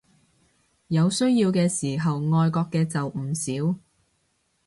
有需要嘅時候愛國嘅就唔少